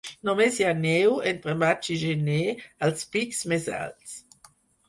Només hi ha neu, entre maig i gener, als pics més alts.